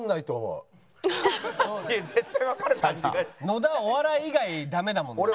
野田お笑い以外ダメだもんな。